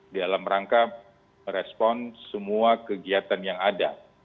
dalam rangka merespon semua kegiatan yang ada